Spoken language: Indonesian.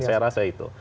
saya rasa itu